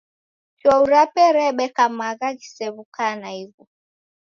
Chwau rape rebeka magha ghisew'uka naighu.